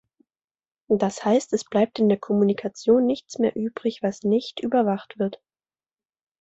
Das heißt, es bleibt in der Kommunikation nichts mehr übrig, was nicht überwacht wird.